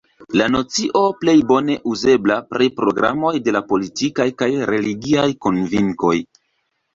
La nocio plej bone uzebla pri programoj de la politikaj kaj religiaj konvinkoj.